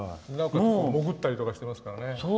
潜ったりとかしてますからね。